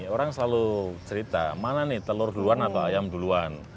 orang selalu cerita mana nih telur duluan atau ayam duluan